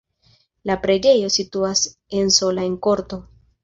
La preĝejo situas en sola en korto.